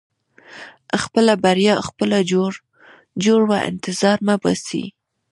• خپله بریا خپله جوړوه، انتظار مه باسې.